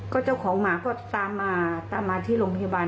ก็เจ้าของหมาก็ตามมาตามมาที่โรงพยาบาล